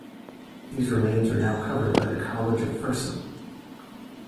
These remains are now covered by the College of Fersen.